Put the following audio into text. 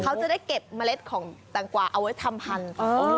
เขาจะได้เก็บเมล็ดของแตงกว่าเอาไว้ทำพันธุ์